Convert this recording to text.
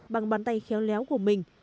bằng bàn tay khéo léo của mình